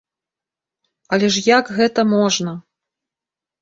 Але ж як гэта можна?